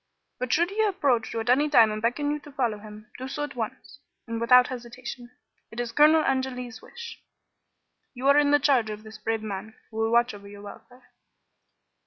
"But should he approach you at any time and beckon you to follow him, do so at once, and without hesitation. It is Colonel Angeli's wish. You are in the charge of this brave man, who will watch over your welfare."